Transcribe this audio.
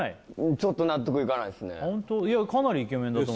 ちょっと納得いかないですねホント？